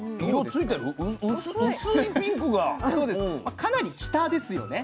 かなり北ですよね。